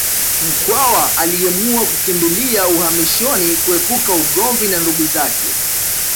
Mkwawa aliamua kukimbilia uhamishoni kuepuka ugomvi na ndugu zake